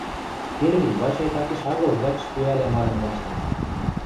Перви Вачай такеш агыл вӓкш пӱӓлӓ мадын каштын.